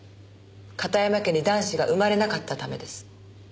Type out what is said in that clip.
片山家に男子が生まれなかったためです。